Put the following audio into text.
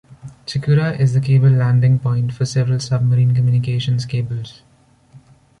Chikura is the cable landing point for several submarine communications cables.